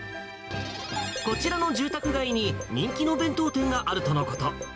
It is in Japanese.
こちらの住宅街に人気の弁当店があるとのこと。